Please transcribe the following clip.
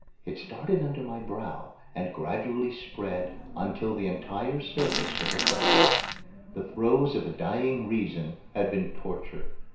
It started under my brow and gradually spread until the entire surface was affected. The throes of a dying Reason had been torture.